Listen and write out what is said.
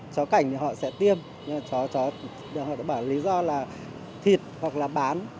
chó cảnh thì họ sẽ tiêm nhưng họ đã bảo lý do là thịt hoặc là bán